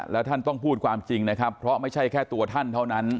แล้วท่านต้องพูดความจริงนะครับเพราะไม่ใช่แค่ตัวท่านเท่านั้น